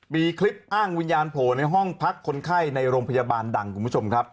มีคลิปอ้างวิญญาณโผล่ในห้องพักคนไข้ในโรงพยาบาลดังคุณผู้ชมครับ